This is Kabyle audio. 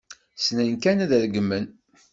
Ssnen kan ad regmen.